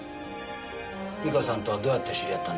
実花さんとはどうやって知り合ったんだ？